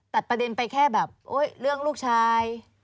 ตัดประเด็นไปแค่แบบเรื่องลูกชาย